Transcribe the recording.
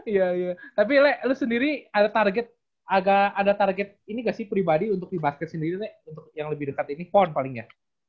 iya iya tapi le lu sendiri ada target agak ada target ini gak sih pribadi untuk di basket sendiri le untuk yang lebih dekat ini pond paling ya